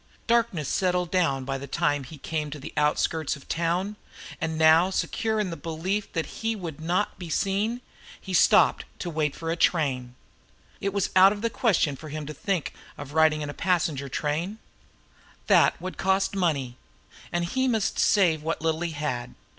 Darkness had settled down by the time he came to the outskirts of the town, and now secure in the belief that he would not be seen, he stopped to wait for a train. It was out of the question for him to think of riding in a passenger train. That cost money; and he must save what little he had.